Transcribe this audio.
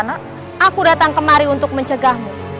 nak aku datang kemari untuk mencegahmu